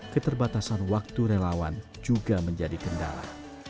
keterbatasan waktu relawan juga menjadi kendala